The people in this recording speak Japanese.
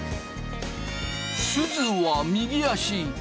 すずは右足昴